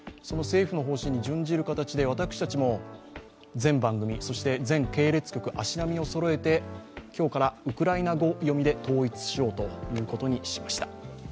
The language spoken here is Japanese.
その政府の方針に準じる形で私たちも全番組、全系列局足並みをそろえて今日からウクライナ語読みで統一しようということにしました。